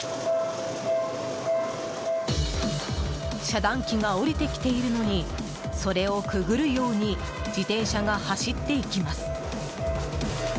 遮断機が下りてきているのにそれをくぐるように自転車が走っていきます。